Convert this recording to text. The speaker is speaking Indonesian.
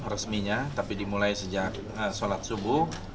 resminya tapi dimulai sejak sholat subuh